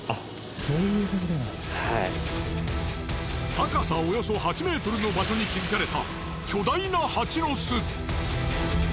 高さおよそ８ｍの場所に築かれた巨大なハチの巣。